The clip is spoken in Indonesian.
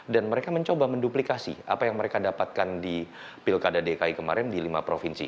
dan mereka mencoba menduplikasi apa yang mereka dapatkan di pilkada dki kemarin di lima provinsi